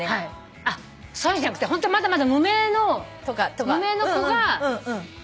あっそういうんじゃなくてホントまだまだ無名の無名の子が。